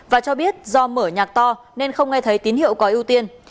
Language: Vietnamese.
và cho biết do mở nhạc to nên không nghe thấy tín hiệu có ưu tiên